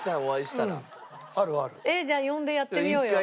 じゃあ呼んでやってみようよ。